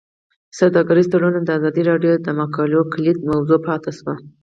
سوداګریز تړونونه د ازادي راډیو د مقالو کلیدي موضوع پاتې شوی.